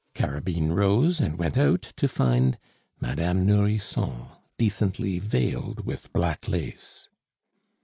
Carabine rose and went out to find Madame Nourrisson, decently veiled with black lace.